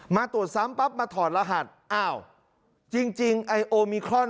มาตรวจซ้ำปั๊บมาถอดรหัสอ้าวจริงไอโอมิครอน